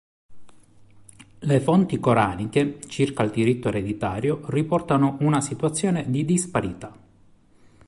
Le fonti coraniche circa il diritto ereditario riportano una situazione di disparità.